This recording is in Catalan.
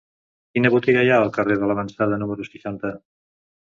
Quina botiga hi ha al carrer de L'Avançada número seixanta?